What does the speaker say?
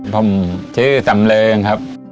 ผมชื่อสำเริงครับ